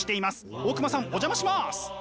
大隈さんお邪魔します！